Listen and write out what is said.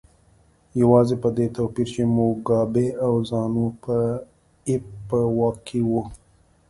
یوازې په دې توپیر چې موګابي او زانو پي ایف په واک کې وو.